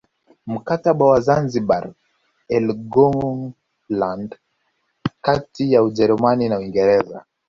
Mkataba wa Zanzibar Helgoland kati ya Ujerumani na Uingereza